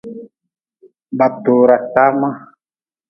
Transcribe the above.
Ba tora tama.